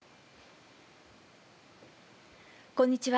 こんにちは。